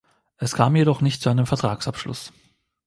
Es kam jedoch nicht zu einem Vertragsabschluss.